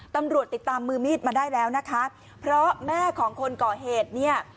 ตำรวจติดตามมือมีดมาได้แล้วนะคะเพราะแม่ของคนก่อเหตุเนี่ย